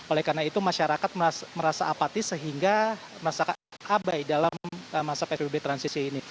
oleh karena itu masyarakat merasa apatis sehingga merasa abai dalam masa psbb transisi ini